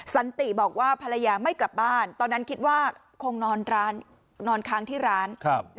สันติบอกว่าภรรยาไม่กลับบ้านตอนนั้นคิดว่าคงนอนค้างที่ร้าน